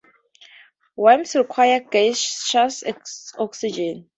Worms require gaseous oxygen.